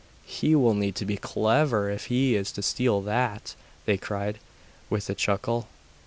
'He will need to be clever if he is to steal that!' they cried, with a chuckle.